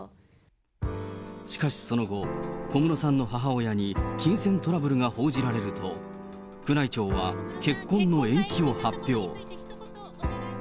しかしその後、小室さんの母親に金銭トラブルが報じられると、宮内庁は結婚の延期を発表。